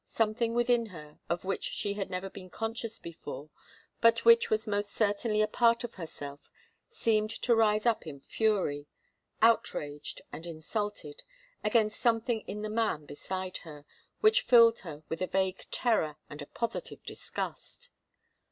Something within her, of which she had never been conscious before, but which was most certainly a part of herself, seemed to rise up in fury, outraged and insulted, against something in the man beside her, which filled her with a vague terror and a positive disgust.